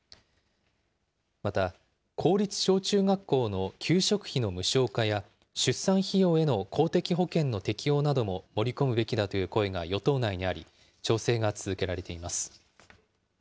また、公立小中学校の給食費の無償化や、出産費用への公的保険の適用なども盛り込むべきだという声が与党内にあり、調整が続けられています。